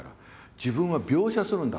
自分は描写するんだ